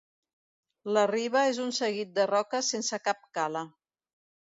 La riba és un seguit de roques sense cap cala.